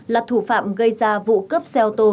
là thủ phạm gây ra vụ cướp xe ô tô